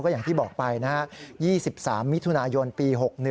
อย่างที่บอกไปนะฮะ๒๓มิถุนายนปี๖๑